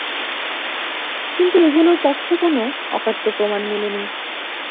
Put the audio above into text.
কিন্তু এগুলোর পক্ষে কোনো অকাট্য প্রমাণ মেলেনি।